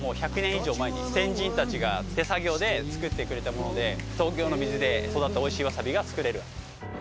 以上前に先人たちが手作業で作ってくれたもので東京の水で育ったおいしいわさびが作れる。